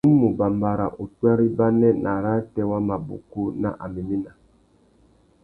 Nnú mù bambara upwê râ ibanê nà arrātê wa mabukú nà améména.